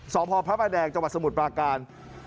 สพพระประแดงจังหวัดสมุทรปราการ